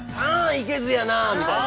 いけずやな」みたいな。